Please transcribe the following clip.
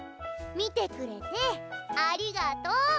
見てくれてありがとう。